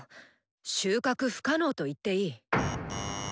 収穫不可能と言っていい。